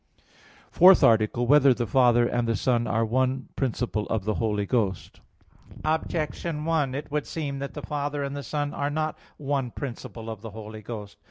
_______________________ FOURTH ARTICLE [I, Q. 36, Art. 4] Whether the Father and the Son Are One Principle of the Holy Ghost? Objection 1: It would seem that the Father and the Son are not one principle of the Holy Ghost.